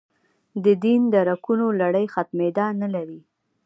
دین درکونو لړۍ ختمېدا نه لري.